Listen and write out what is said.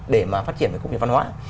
để mà phát triển về công việc văn hóa